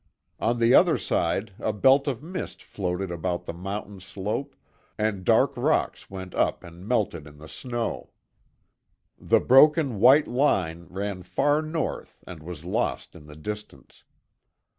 On the other side a belt of mist floated about the mountain slope and dark rocks went up and melted in the snow. The broken white line ran far North and was lost in the distance.